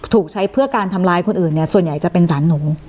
ถูกใช้เพื่อการทำร้ายคนอื่นเนี่ยส่วนใหญ่จะเป็นสารหนู